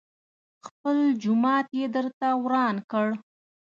خپل جومات يې درته وران کړ.